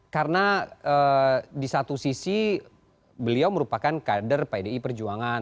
karena di satu sisi beliau merupakan kader pdi perjuangan